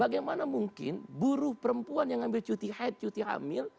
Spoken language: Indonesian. bagaimana mungkin buruh perempuan yang ambil cuti haid cuti hamil